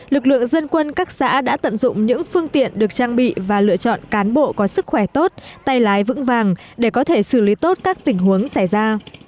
lực lượng dân quân các xã đã tận dụng những phương tiện được trang bị và lựa chọn cán bộ có sức khỏe tốt tay lái vững vàng để có thể xử lý tốt các tình huống xảy ra